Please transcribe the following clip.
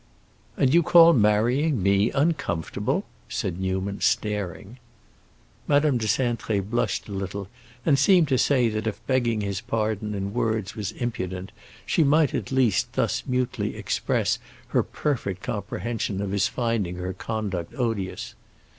"And you call marrying me uncomfortable!" said Newman staring. Madame de Cintré blushed a little and seemed to say that if begging his pardon in words was impudent, she might at least thus mutely express her perfect comprehension of his finding her conduct odious.